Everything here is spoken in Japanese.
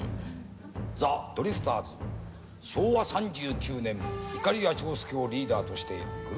ザ・ドリフターズ昭和３９年いかりや長介をリーダーとしてグループを結成。